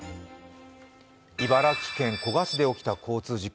茨城県古河市で起きた交通事故。